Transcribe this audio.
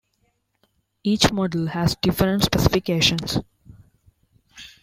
Each model has different specifications.